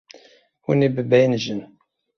Hûn ê bibêhnijin.